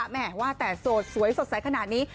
แม่ว่าแต่โสดสวยสดใสขนาดนี้